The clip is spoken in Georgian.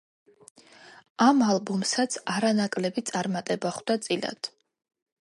ამ ალბომსაც არანაკლები წარმატება ხვდა წილად.